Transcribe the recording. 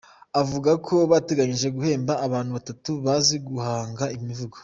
Avuga ko bateganyije guhemba abantu batatu bazi guhanga imivugo.